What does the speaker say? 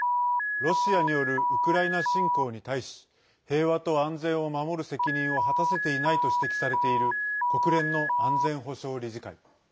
ロシアによるウクライナ侵攻に対し平和と安全を守る責任を果たせていないと指摘されている国連の安全保障理事会。